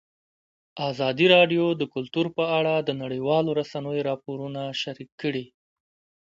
ازادي راډیو د کلتور په اړه د نړیوالو رسنیو راپورونه شریک کړي.